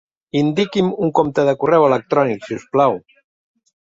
Indiqui'm un compte de correu electrònic si us plau.